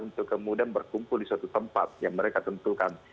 untuk kemudian berkumpul di suatu tempat yang mereka tentukan